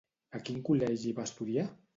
A quin col·legi va estudiar?